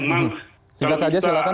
jika kita reaksifkan seluruh ciptaan